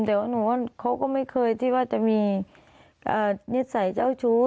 แต่ว่าหนูว่าเขาก็ไม่เคยที่ว่าจะมีเน็ตใสเจ้าชู้